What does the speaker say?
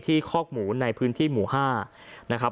ที่คอกหมูในพื้นที่หมูห้า